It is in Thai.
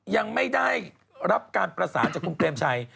ยังไม่ได้รับการประสานจากคุณเปรมชัย